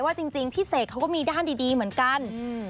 จริงพี่เสกเขาก็มีด้านดีเหมือนกัน